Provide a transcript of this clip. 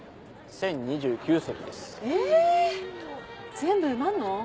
全部埋まんの？